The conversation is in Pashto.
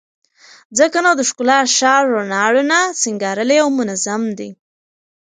ځکه نو د ښکلا ښار رڼا رڼا، سينګارلى او منظم دى